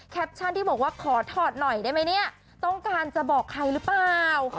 ที่บอกว่าขอถอดหน่อยได้ไหมเนี่ยต้องการจะบอกใครหรือเปล่า